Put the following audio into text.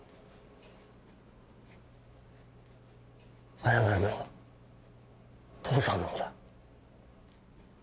謝るのは父さんの方だ。